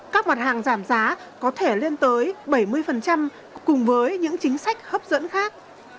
các mặt hàng giảm giá có thể lên tới bảy mươi cùng với những chính sách hấp dẫn khác